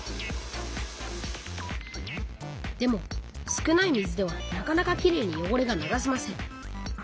少ない水ではなかなかきれいによごれが流せません。